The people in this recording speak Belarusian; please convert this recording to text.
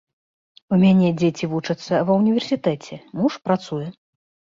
У мяне дзеці вучацца ва ўніверсітэце, муж працуе.